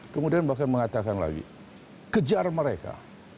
kemudian bahkan mengatakan lagi kejar mereka